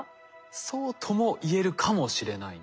そうとも言えるかもしれないんです。